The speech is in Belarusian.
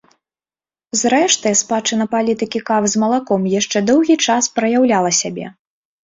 Зрэшты, спадчына палітыкі кавы з малаком яшчэ доўгі час праяўляла сябе.